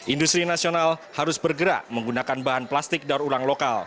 industri nasional harus bergerak menggunakan bahan plastik daur ulang lokal